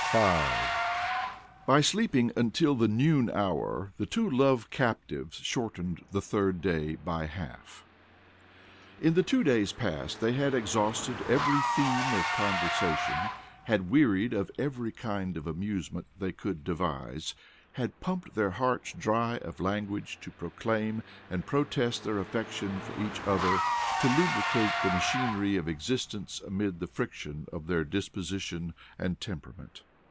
V. By sleeping until the noon hour the two love captives shortened the third day by half. In the two days past they had exhausted every theme of conversation, had wearied of every kind of amusement they could devise, and had pumped their hearts dry of language to proclaim and protest their affection for each other to lubricate the machinery of existence amid the friction of their disposition and temperament.